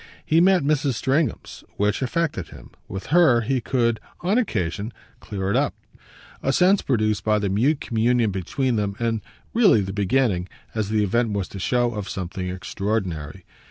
He met Mrs. Stringham's, which affected him: with her he could on occasion clear it up a sense produced by the mute communion between them and really the beginning, as the event was to show, of something extraordinary.